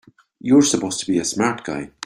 You're supposed to be a smart guy!